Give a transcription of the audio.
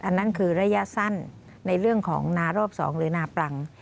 อันนั้นคือระยะสั้นในเรื่องของนารอบ๒หรือนาปรัง